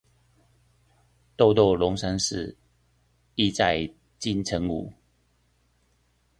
豆豆龍山寺，億載金城武